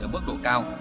ở mức độ cao